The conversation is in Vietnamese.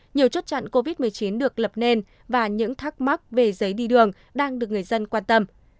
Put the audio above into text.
nhiều chốt chặn covid một mươi chín được lập nên và những thắc mắc về giấy đi đường đang được người dân quan tâm